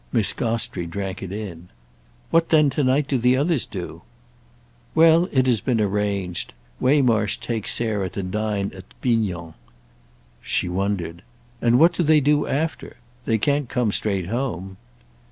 Miss Gostrey drank it in. "What then to night do the others do?" "Well, it has been arranged. Waymarsh takes Sarah to dine at Bignon's." She wondered. "And what do they do after? They can't come straight home."